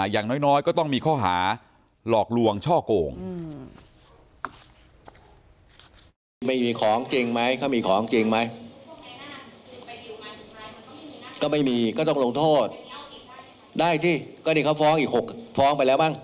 อย่างน้อยก็ต้องมีข้อหาหลอกลวงช่อโกง